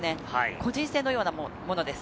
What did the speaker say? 個人戦のようなものです。